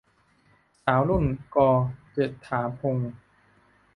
สาวรุ่น - ก เจษฎาพงศ์